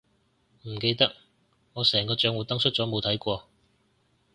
唔記得，我成個帳戶登出咗冇睇過